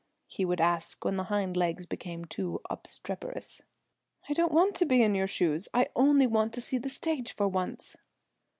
he would ask, when the hind legs became too obstreperous. "I don't want to be in your shoes; I only want to see the stage for once."